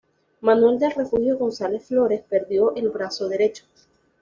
Manuel del Refugio González Flores perdió el brazo derecho.